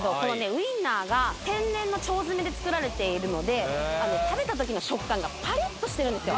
ウインナーが天然の腸詰めで作られているので食べた時の食感がパリッとしてるんですよ